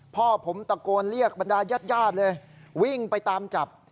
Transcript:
พ่อผมตะโกนเรียกบรรดายาดเลยวิ่งไปตามจับ